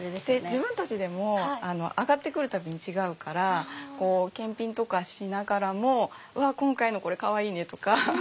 自分たちでも上がってくるたびに違うから検品とかしながらも今回のこれかわいいね！とか。